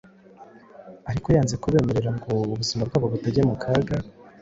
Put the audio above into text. ariko yanze kubemerera ngo ubuzima bwabo butajya mu kaga.